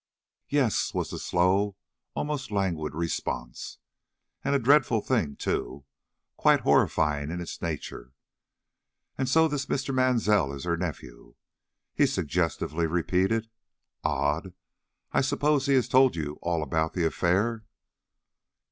"Yes," was the slow, almost languid, response; "and a dreadful thing, too; quite horrifying in its nature. And so this Mr. Mansell is her nephew?" he suggestively repeated. "Odd! I suppose he has told you all about the affair?"